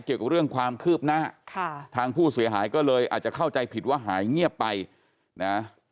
เกี่ยวกับเรื่องความคืบหน้าค่ะทางผู้เสียหายก็เลยอาจจะเข้าใจผิดว่าหายเงียบไปนะ